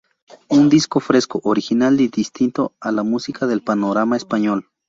Un disco fresco, original y distinto a la música del panorama español.